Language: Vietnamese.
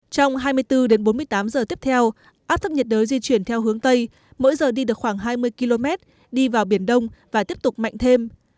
trong hai mươi bốn đến bốn mươi tám giờ tiếp theo áp thấp nhiệt đới di chuyển theo hướng tây mỗi giờ đi được khoảng hai mươi km đi vào biển đông và tiếp tục mạnh thêm